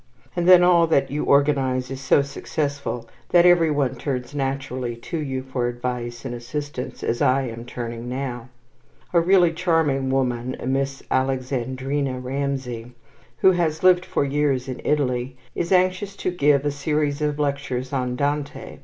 And then all that you organize is so successful that every one turns naturally to you for advice and assistance, as I am turning now. A really charming woman, a Miss Alexandrina Ramsay, who has lived for years in Italy, is anxious to give a series of lectures on Dante.